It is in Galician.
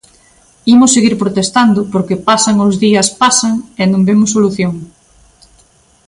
Imos seguir protestando porque pasan os días pasan e non vemos solución.